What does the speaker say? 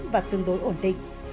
và tương đối ổn định